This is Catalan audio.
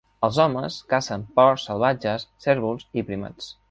Els homes cacen porcs salvatges, cérvols i primats.